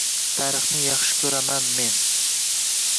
Tarixni yaxshi ko‘raman men.